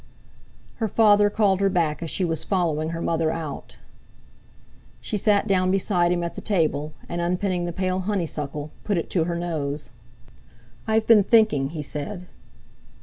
Her father called her back as she was following her mother out. She sat down beside him at the table, and, unpinning the pale honeysuckle, put it to her nose. "I've been thinking," he said.